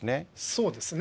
そうですね。